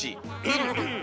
なるほど。